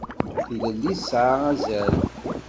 Tilelli tesɛa azal.